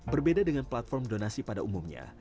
berbeda dengan platform donasi pada umumnya